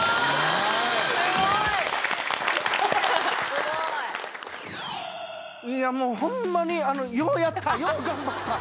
いやもうホンマにようやった！